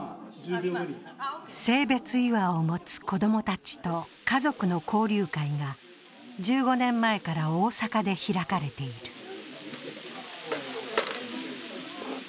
性別違和を持つ子供たちと家族の交流会が１５年前から大阪で開かれている。